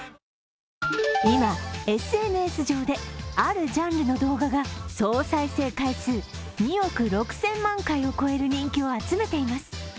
今、ＳＮＳ上で、あるジャンルの動画が総再生回数２億６０００万回を超える人気を集めています。